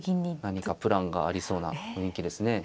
何かプランがありそうな雰囲気ですね。